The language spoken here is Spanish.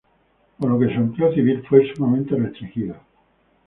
Por lo que su empleo civil fue sumamente restringido.